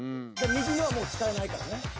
右のはもう使えないからね。